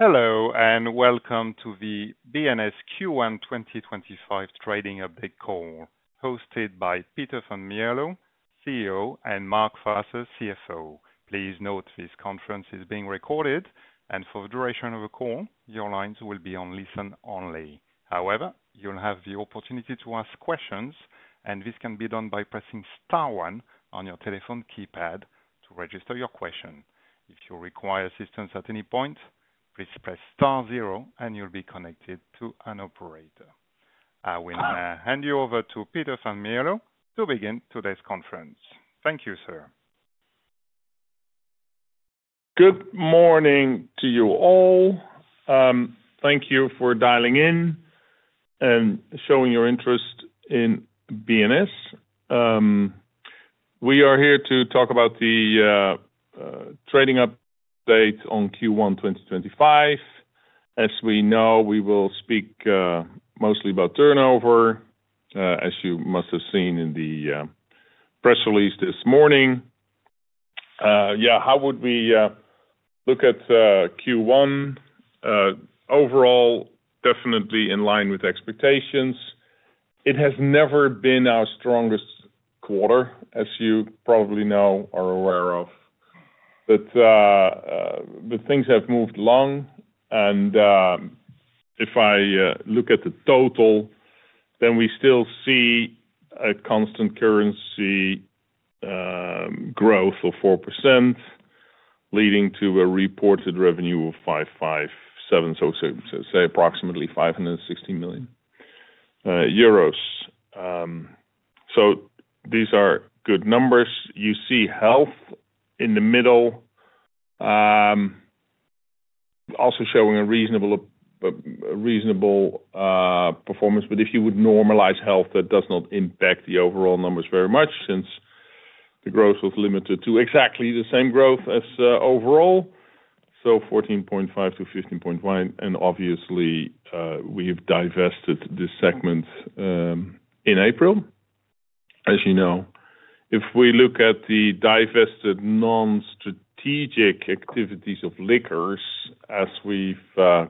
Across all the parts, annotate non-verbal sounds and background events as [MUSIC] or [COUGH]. Hello and welcome to the B&S Q1 2025 trading update call, hosted by Peter van Mierlo, CEO, and Mark Faasse, CFO. Please note this conference is being recorded, and for the duration of the call, your lines will be on listen only. However, you'll have the opportunity to ask questions, and this can be done by pressing star one on your telephone keypad to register your question. If you require assistance at any point, please press star zero, and you'll be connected to an operator. I will now hand you over to Peter van Mierlo to begin today's conference. Thank you, sir. Good morning to you all. Thank you for dialing in and showing your interest in B&S. We are here to talk about the trading update on Q1 2025. As we know, we will speak mostly about turnover, as you must have seen in the press release this morning. Yeah, how would we look at Q1? Overall, definitely in line with expectations. It has never been our strongest quarter, as you probably know or are aware of. Things have moved along, and if I look at the total, then we still see a constant currency growth of 4%, leading to a reported revenue of 570 million, so say approximately 560 million euros. These are good numbers. You see health in the middle, also showing a reasonable, reasonable performance. If you would normalize health, that does not impact the overall numbers very much since the growth was limited to exactly the same growth as overall. So 14.5 to 15.1, and obviously, we have divested this segment in April. As you know, if we look at the divested non-strategic activities of liquors, as we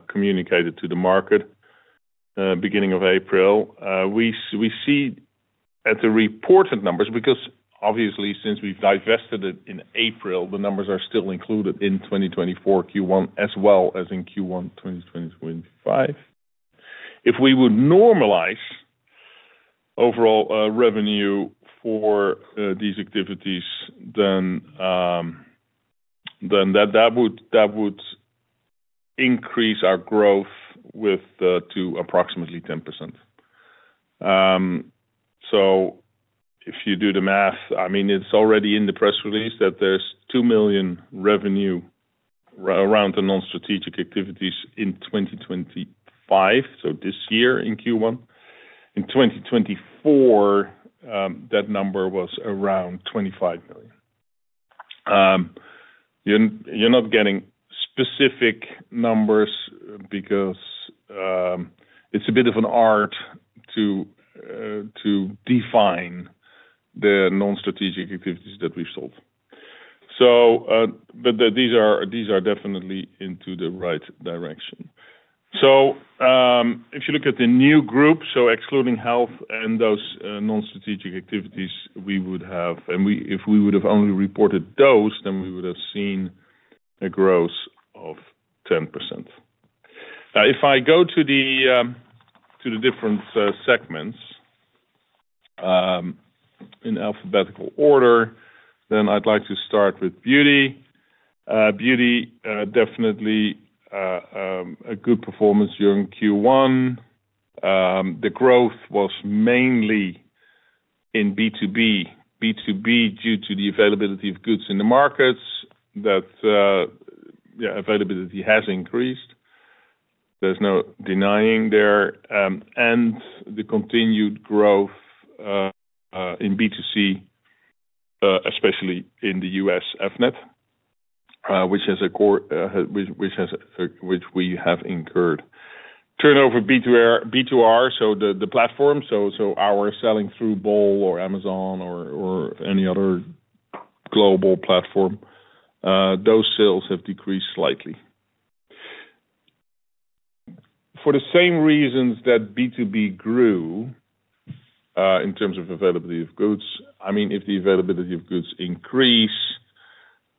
communicated to the market at the beginning of April, we see at the reported numbers, because obviously since we have divested it in April, the numbers are still included in 2024 Q1 as well as in Q1 2025. If we would normalize overall revenue for these activities, then that would increase our growth to approximately 10%. If you do the math, I mean, it is already in the press release that there is 2 million revenue around the non-strategic activities in 2025, so this year in Q1. In 2024, that number was around 25 million. You're not getting specific numbers because it's a bit of an art to define the non-strategic activities that we've sold. These are definitely into the right direction. If you look at the new group, so excluding health and those non-strategic activities, we would have, and if we would have only reported those, then we would have seen a growth of 10%. If I go to the different segments, in alphabetical order, I'd like to start with beauty. Beauty, definitely, a good performance during Q1. The growth was mainly in B2B, B2B due to the availability of goods in the markets that, yeah, availability has increased. There's no denying there, and the continued growth in B2C, especially in the U.S., which has a core, which we have incurred. Turnover B2R, so the platform, our selling through Bol or Amazon or any other global platform, those sales have decreased slightly. For the same reasons that B2B grew, in terms of availability of goods, I mean, if the availability of goods increased,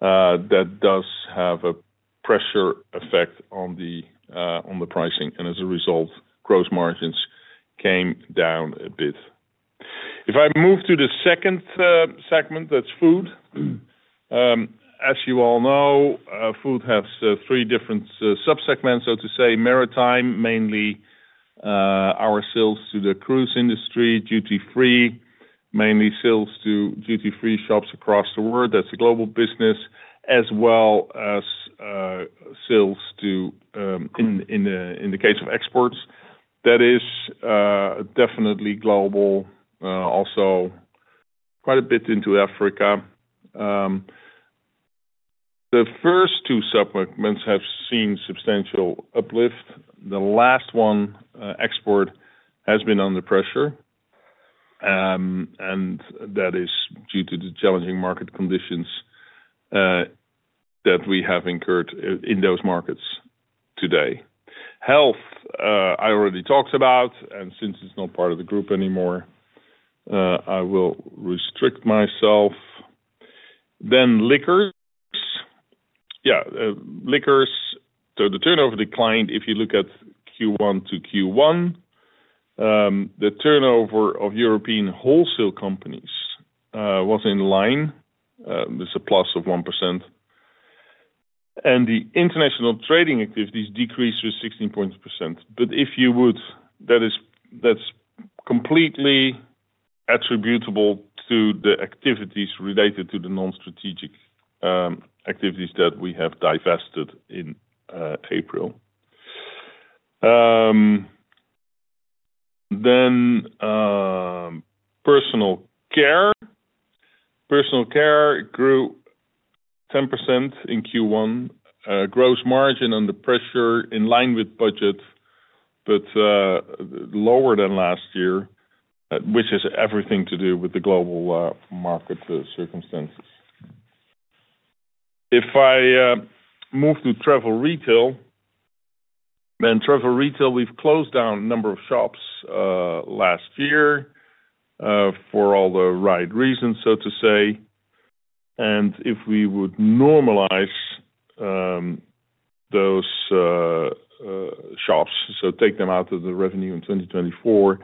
that does have a pressure effect on the pricing, and as a result, gross margins came down a bit. If I move to the second segment, that's food. As you all know, food has three different subsegments, so to say: maritime, mainly our sales to the cruise industry; duty-free, mainly sales to duty-free shops across the world. That's a global business, as well as sales to, in the case of exports. That is definitely global, also quite a bit into Africa. The first two subsegments have seen substantial uplift. The last one, export, has been under pressure, and that is due to the challenging market conditions that we have incurred in those markets today. Health, I already talked about, and since it is not part of the group anymore, I will restrict myself. Then liquors. Yeah, liquors, so the turnover declined if you look at Q1 to Q1. The turnover of European wholesale companies was in line, with a +1%, and the international trading activities decreased with 16.2%. If you would, that is, that is completely attributable to the activities related to the non-strategic activities that we have divested in April. Then, personal care, personal care grew 10% in Q1, gross margin under pressure in line with budget, but lower than last year, which has everything to do with the global market circumstances. If I move to travel retail, then travel retail, we have closed down a number of shops last year, for all the right reasons, so to say. If we would normalize those shops, so take them out of the revenue in 2024,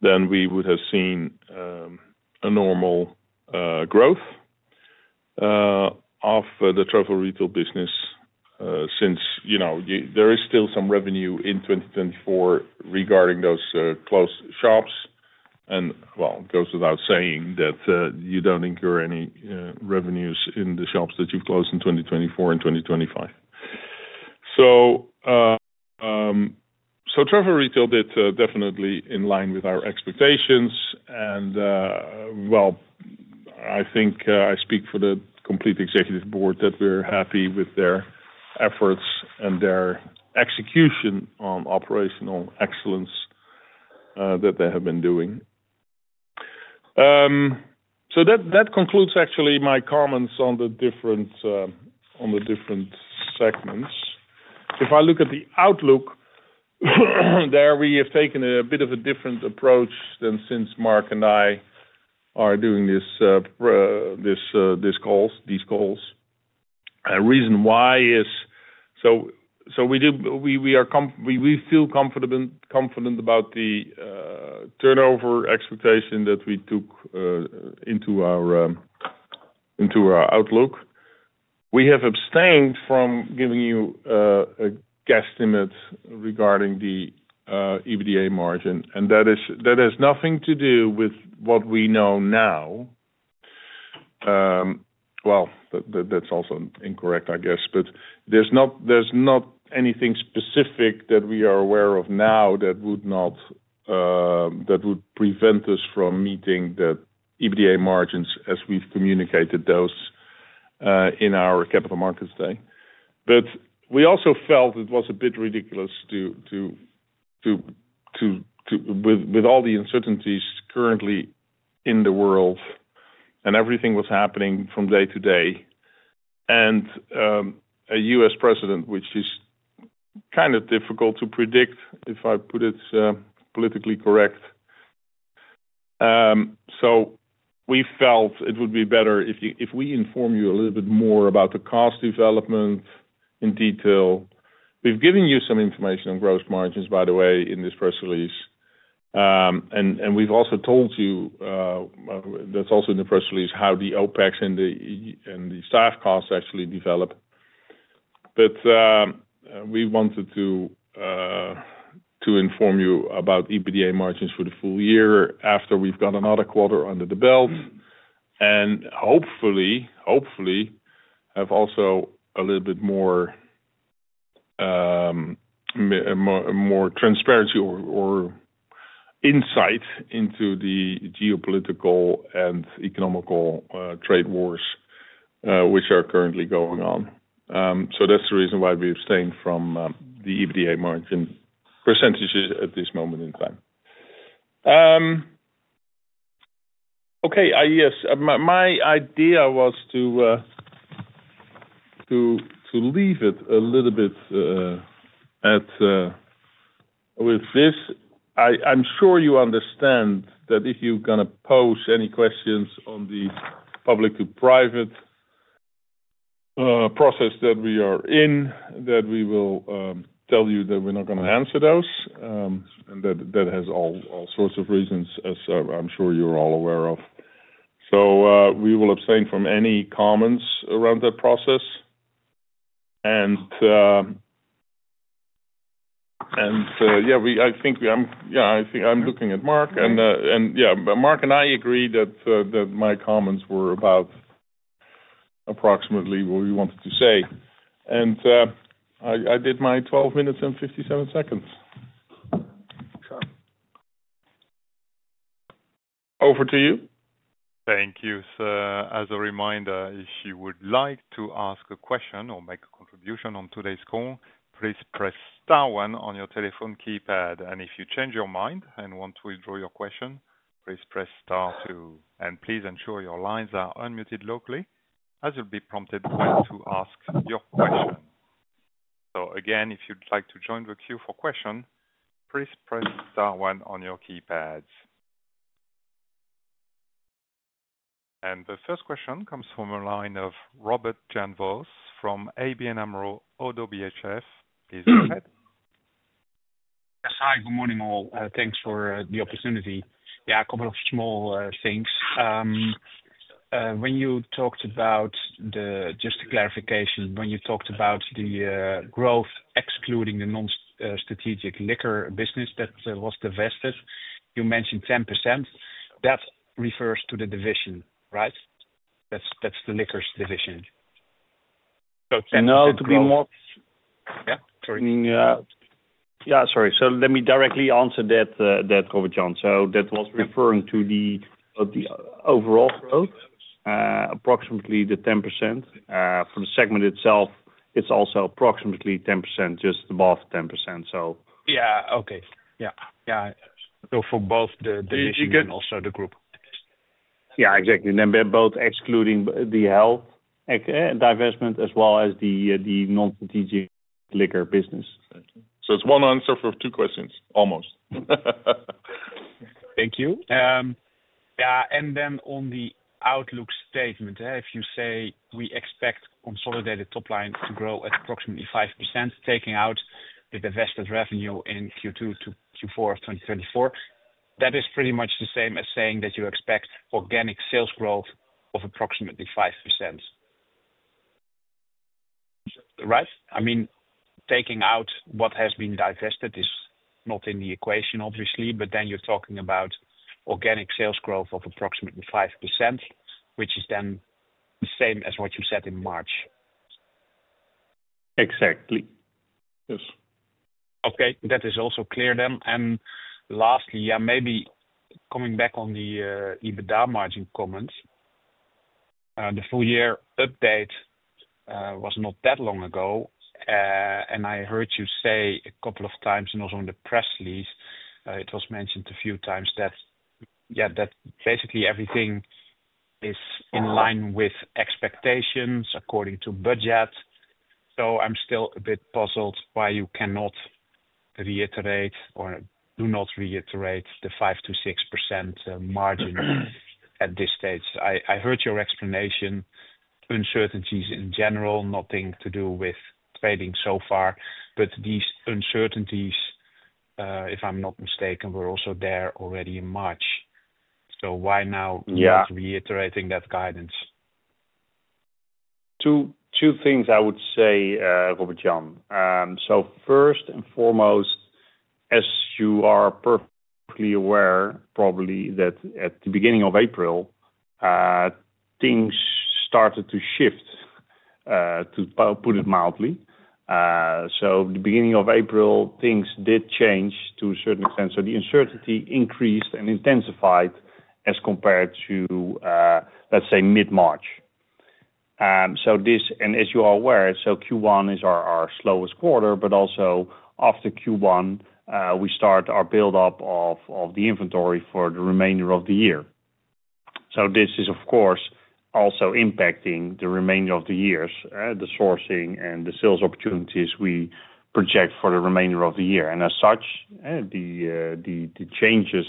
then we would have seen a normal growth of the travel retail business, since, you know, there is still some revenue in 2024 regarding those closed shops. It goes without saying that you do not incur any revenues in the shops that you have closed in 2024 and 2025. Travel retail did definitely in line with our expectations, and I think I speak for the complete executive board that we're happy with their efforts and their execution on operational excellence that they have been doing. That concludes actually my comments on the different segments. If I look at the outlook, there we have taken a bit of a different approach than since Mark and I are doing these calls. The reason why is, we do, we feel confident about the turnover expectation that we took into our outlook. We have abstained from giving you a guesstimate regarding the EBITDA margin, and that has nothing to do with what we know now. That is also incorrect, I guess, but there is not anything specific that we are aware of now that would prevent us from meeting the EBITDA margins as we have communicated those in our capital markets day. We also felt it was a bit ridiculous, with all the uncertainties currently in the world and everything that is happening from day to day, and a U.S. president, which is kind of difficult to predict if I put it politically correct. We felt it would be better if we inform you a little bit more about the cost development in detail. We have given you some information on gross margins, by the way, in this press release. We have also told you, that is also in the press release, how the OpEx and the staff costs actually develop. We wanted to inform you about EBITDA margins for the full year after we have got another quarter under the belt and hopefully have also a little bit more transparency or insight into the geopolitical and economical trade wars which are currently going on. That is the reason why we abstain from the EBITDA margin percentages at this moment in time. I guess my idea was to leave it a little bit at this. I'm sure you understand that if you're gonna pose any questions on the public to private process that we are in, that we will tell you that we're not gonna answer those, and that has all sorts of reasons, as I'm sure you're all aware of. We will abstain from any comments around that process. Yeah, I think I'm looking at Mark and yeah, Mark and I agree that my comments were about approximately what we wanted to say. I did my 12 minutes and 57 seconds. Over to you. Thank you. As a reminder, if you would like to ask a question or make a contribution on today's call, please press star one on your telephone keypad. If you change your mind and want to withdraw your question, please press star two. Please ensure your lines are unmuted locally as you'll be prompted when to ask your question. If you'd like to join the queue for questions, please press star one on your keypads. The first question comes from the line of Robert Jan Vos from ABN AMRO-ODDO BHF. Please go ahead. Yes. Hi, good morning all. Thanks for the opportunity. Yeah, a couple of small things. When you talked about the, just a clarification, when you talked about the growth excluding the non-strategic liquor business that was divested, you mentioned 10%. That refers to the division, right? That's the liquors division. So 10%. [CROSSTALK] Yeah, sorry. Yeah. Yeah, sorry. Let me directly answer that, Robert Jan. That was referring to the overall growth, approximately the 10%. For the segment itself, it's also approximately 10%, just above 10%, so. Okay. Yeah. Yeah. For both the division and also the group. Yeah, exactly. Then both excluding the health divestment as well as the non-strategic liquor business. It is one answer for two questions, almost. Thank you. Yeah. On the outlook statement, if you say we expect consolidated top line to grow at approximately 5%, taking out the divested revenue in Q2 to Q4 of 2024, that is pretty much the same as saying that you expect organic sales growth of approximately 5%, right? I mean, taking out what has been divested is not in the equation, obviously, but then you are talking about organic sales growth of approximately 5%, which is then the same as what you said in March. Exactly. Yes. Okay. That is also clear then. Lastly, maybe coming back on the EBITDA margin comments, the full year update was not that long ago. I heard you say a couple of times, and also in the press release, it was mentioned a few times that basically everything is in line with expectations according to budget. I'm still a bit puzzled why you cannot reiterate or do not reiterate the 5%-6% margin at this stage. I heard your explanation, uncertainties in general, nothing to do with trading so far, but these uncertainties, if I'm not mistaken, were also there already in March. Why now not reiterating that guidance? Two things I would say, Robert Jan. First and foremost, as you are perfectly aware, probably at the beginning of April, things started to shift, to put it mildly. The beginning of April, things did change to a certain extent. The uncertainty increased and intensified as compared to, let's say, mid-March. Q1 is our slowest quarter, but also after Q1, we start our build-up of the inventory for the remainder of the year. This is, of course, also impacting the remainder of the year's sourcing and the sales opportunities we project for the remainder of the year. As such, the changes,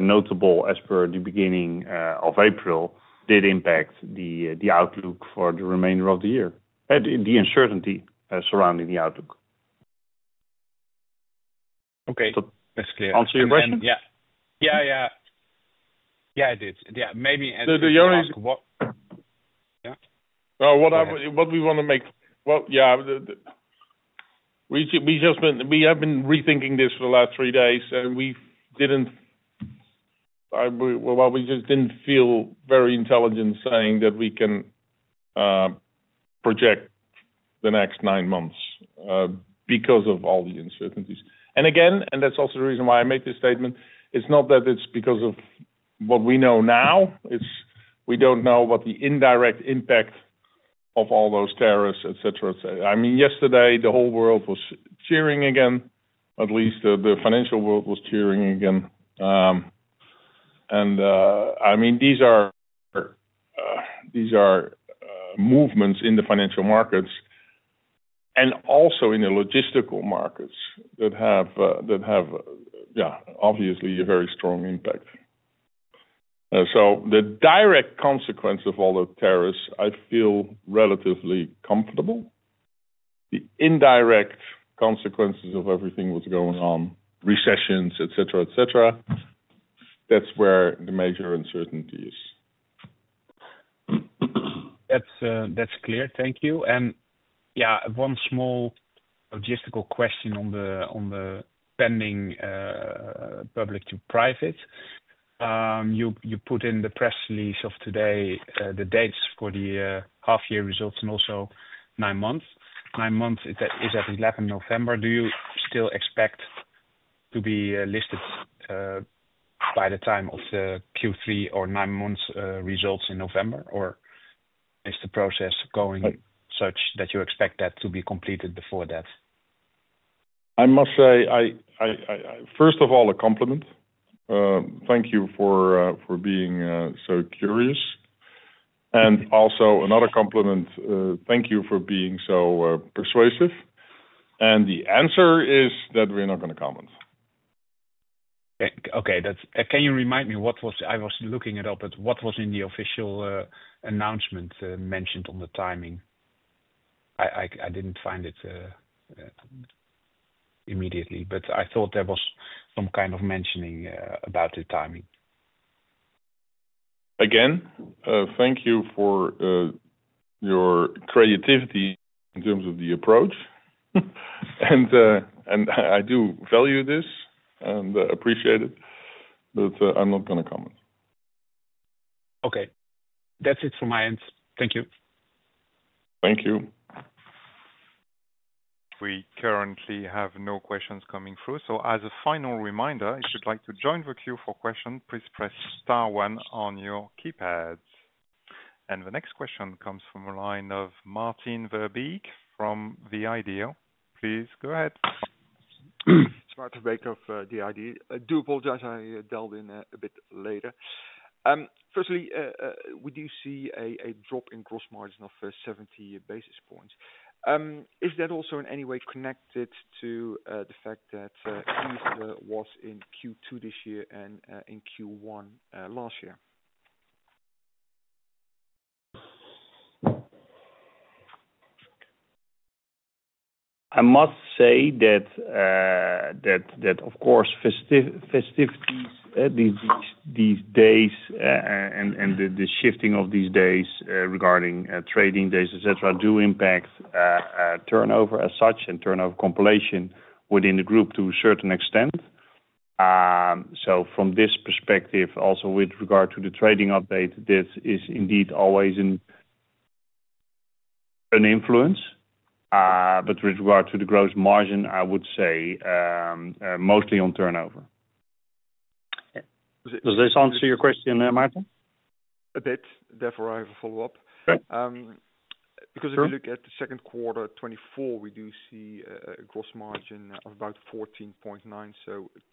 notable as per the beginning of April, did impact the outlook for the remainder of the year, the uncertainty surrounding the outlook. Okay. That's clear. Does that answer your question? Yeah. Yeah, it did. Maybe as you're asking. [CROSSTALK] The only. Yeah. What we wanna make, yeah, we just, we have been rethinking this for the last three days, and we didn't, we just didn't feel very intelligent saying that we can project the next nine months, because of all the uncertainties. Again, that's also the reason why I made this statement, it's not that it's because of what we know now, it's we don't know what the indirect impact of all those tariffs, etc., etc. I mean, yesterday, the whole world was cheering again, at least the financial world was cheering again. I mean, these are movements in the financial markets and also in the logistical markets that have, yeah, obviously a very strong impact. The direct consequence of all the tariffs, I feel relatively comfortable. The indirect consequences of everything that's going on, recessions, etc., etc., that's where the major uncertainty is. That's clear. Thank you. Yeah, one small logistical question on the pending public to private. You put in the press release of today the dates for the half-year results and also nine months. Nine months is at 11 November. Do you still expect to be listed by the time of the Q3 or nine months results in November, or is the process going such that you expect that to be completed before that? I must say, first of all, a compliment. Thank you for being so curious. And also another compliment, thank you for being so persuasive. The answer is that we're not gonna comment. Okay. Okay. That's, can you remind me what was, I was looking it up, but what was in the official announcement, mentioned on the timing? I didn't find it immediately, but I thought there was some kind of mentioning about the timing. Again, thank you for your creativity in terms of the approach. I do value this and appreciate it, but I'm not gonna comment. Okay. That's it from my end. Thank you. Thank you. We currently have no questions coming through. As a final reminder, if you'd like to join the queue for questions, please press star one on your keypads. The next question comes from a line of Martin Verbeek from The IDEA! Please go ahead. It's Martin Verbeek of The IDEA! I do apologize. I delved in a bit later. Firstly, we do see a drop in gross margin of 70 basis points. Is that also in any way connected to the fact that Easter was in Q2 this year and in Q1 last year? I must say that, of course, festivities these days, and the shifting of these days regarding trading days, etc., do impact turnover as such and turnover compilation within the group to a certain extent. From this perspective, also with regard to the trading update, this is indeed always an influence. With regard to the gross margin, I would say, mostly on turnover. Does this answer your question, Martin? A bit. Therefore, I have a follow-up. Because if you look at the second quarter 2024, we do see a gross margin of about 14.9. Q1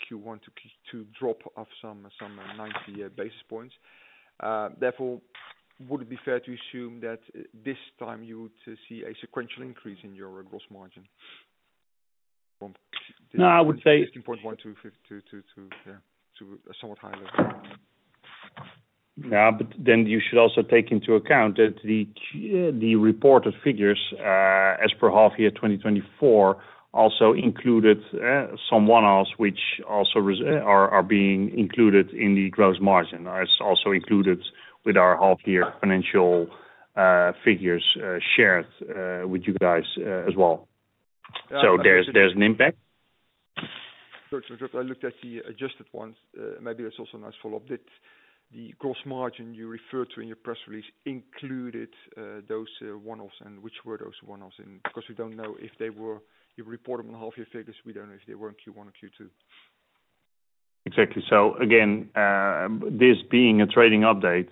to Q2 drop of some 90 basis points. Therefore, would it be fair to assume that this time you would see a sequential increase in your gross margin from, no, I would say, 15.1 to 15 to, to, to, yeah, to a somewhat high level. Yeah. You should also take into account that the reported figures, as per half-year 2024, also included some one-offs, which also are being included in the gross margin. It's also included with our half-year financial figures shared with you guys as well. There's an impact. Sure, sure, sure. I looked at the adjusted ones. Maybe it's also a nice follow-up that the gross margin you referred to in your press release included those one-offs. Which were those one-offs in? Because we don't know if they were, you reported on the half-year figures, we don't know if they were in Q1 or Q2. Exactly. Again, this being a trading update,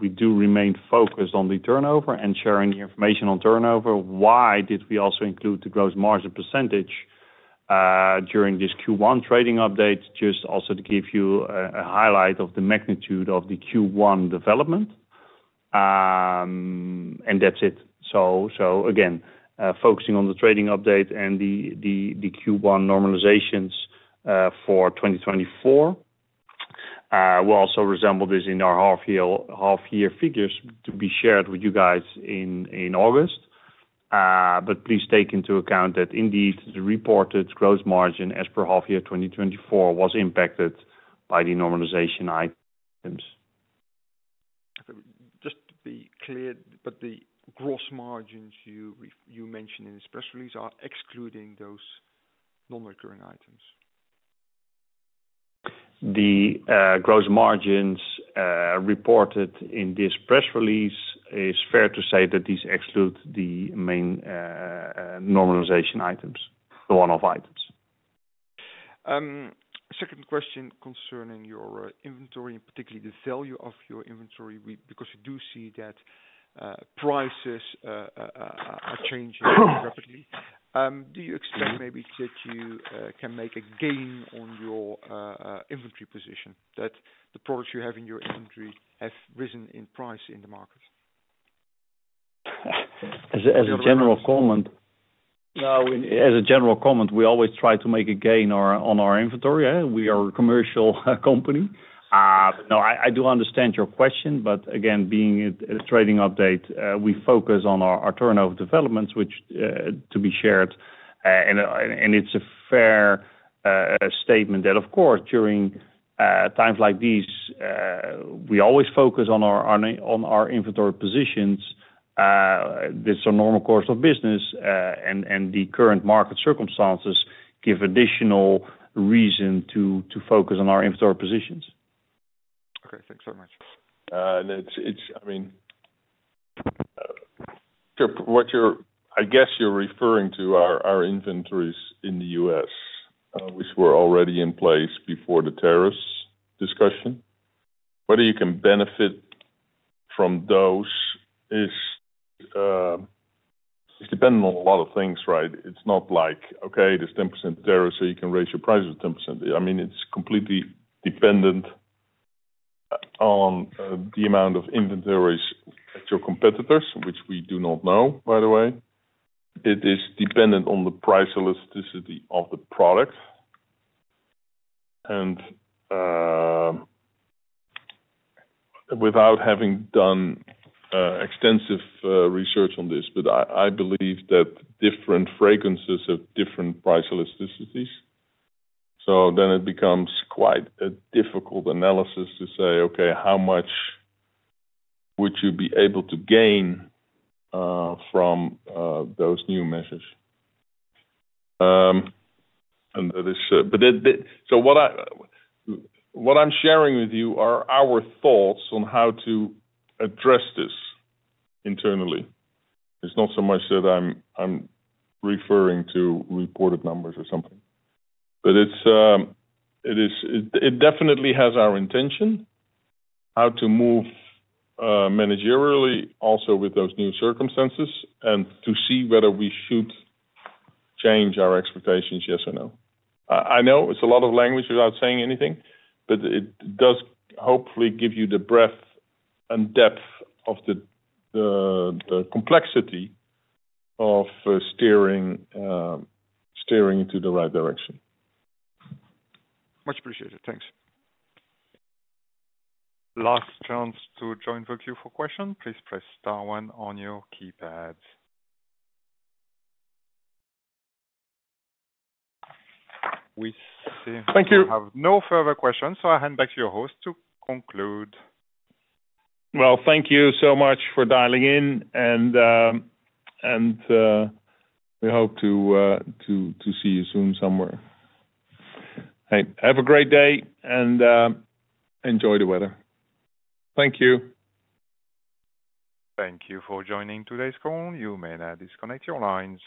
we do remain focused on the turnover and sharing the information on turnover. Why did we also include the gross margin percentage during this Q1 trading update? Just also to give you a highlight of the magnitude of the Q1 development. That's it. Again, focusing on the trading update and the Q1 normalizations for 2024, we'll also resemble this in our half-year figures to be shared with you guys in August. Please take into account that indeed the reported gross margin as per half-year 2024 was impacted by the normalization items. Just to be clear, the gross margins you mentioned in this press release are excluding those non-recurring items. The gross margins reported in this press release, it is fair to say that these exclude the main normalization items, the one-off items. Second question concerning your inventory, and particularly the value of your inventory, because we do see that prices are changing rapidly. Do you expect maybe that you can make a gain on your inventory position, that the products you have in your inventory have risen in price in the market? As a general comment. No, as a general comment, we always try to make a gain on our inventory. We are a commercial company. No, I do understand your question. Again, being a trading update, we focus on our turnover developments, which, to be shared. It is a fair statement that, of course, during times like these, we always focus on our inventory positions. This is a normal course of business, and the current market circumstances give additional reason to focus on our inventory positions. Okay. Thanks very much. It's, it's, I mean, what you're, I guess you're referring to are inventories in the U.S., which were already in place before the tariffs discussion. Whether you can benefit from those is dependent on a lot of things, right? It's not like, okay, there's 10% tariffs, so you can raise your prices 10%. I mean, it's completely dependent on the amount of inventories at your competitors, which we do not know, by the way. It is dependent on the price elasticity of the product. Without having done extensive research on this, but I, I believe that different fragrances have different price elasticities. Then it becomes quite a difficult analysis to say, okay, how much would you be able to gain from those new measures? That is, what I'm sharing with you are our thoughts on how to address this internally. It's not so much that I'm referring to reported numbers or something, but it definitely has our intention how to move, managerially also with those new circumstances and to see whether we should change our expectations, yes or no. I know it's a lot of language without saying anything, but it does hopefully give you the breadth and depth of the complexity of steering into the right direction. Much appreciated. Thanks. Last chance to join the queue for questions. Please press star one on your keypads. Thank you. I have no further questions, so I hand back to your host to conclude. Thank you so much for dialing in. We hope to see you soon somewhere. Hey, have a great day and enjoy the weather. Thank you. Thank you for joining today's call. You may now disconnect your lines.